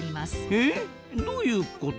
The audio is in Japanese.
えどういうこと？